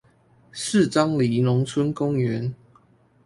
四張犁農村公園